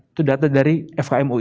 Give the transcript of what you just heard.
itu data dari fkm ui